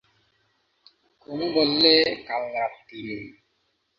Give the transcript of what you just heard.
কুমু বললে, কাল রাত্তিরে।